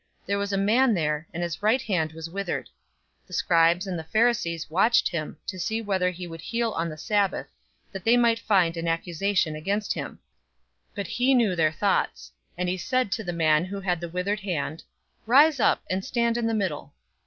There was a man there, and his right hand was withered. 006:007 The scribes and the Pharisees watched him, to see whether he would heal on the Sabbath, that they might find an accusation against him. 006:008 But he knew their thoughts; and he said to the man who had the withered hand, "Rise up, and stand in the middle."